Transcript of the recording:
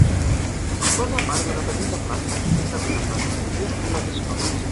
Forma part d'una petita plaça juntament amb la rectoria i les escoles.